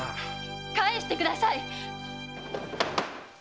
帰してください！